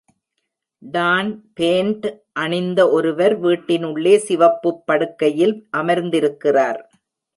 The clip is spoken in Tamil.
டான் பேன்ட் அணிந்த ஒருவர் வீட்டின் உள்ளே சிவப்பு படுக்கையில் அமர்ந்திருக்கிறார்.